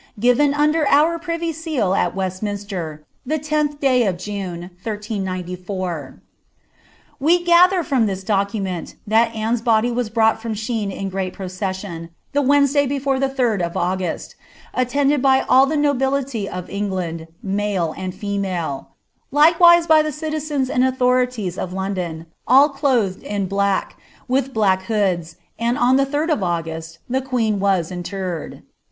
Given under our privy seal at Westminster, the lUth day uf June, 1394/' We gather from this document, that Anne's body was brought from Shene in grand procession, the Wednesday before the 3d of August, attended by all the nobility of England, male and female; likewise by the citizens and authorities of London,' all clothed in black, with black hoods ; and on the 3d of August the queen was interred.